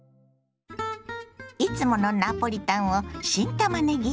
いつものナポリタンを新たまねぎで。